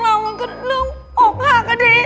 มองเราเรื่องเอกหักน่ะดิ